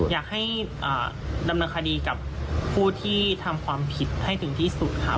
อยากให้ดำเนินคดีกับผู้ที่ทำความผิดให้ถึงที่สุดค่ะ